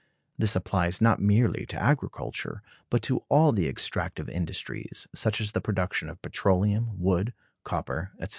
This applies not merely to agriculture, but to all the extractive industries, such as the production of petroleum, wood, copper, etc.